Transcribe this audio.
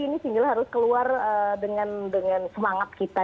ini single harus keluar dengan semangat kita